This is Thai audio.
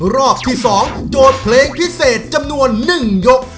รอบที่๒โจทย์เพลงพิเศษจำนวน๑ยก